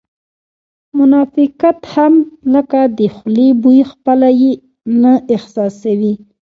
منافقت هم لکه د خولې بوی خپله یې نه احساسوې